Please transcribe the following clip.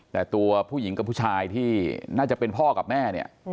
แต่ตัวผู้หญิงกับผู้ชายที่น่าจะเป็นพ่อกับแม่เนี่ย